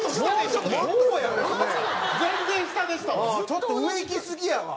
ちょっと上行きすぎやわ。